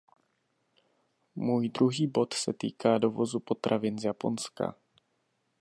Můj druhý bod se týká dovozu potravin z Japonska.